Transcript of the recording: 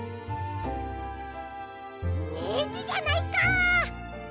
ネジじゃないか。